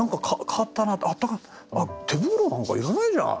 あっ手袋なんかいらないじゃん！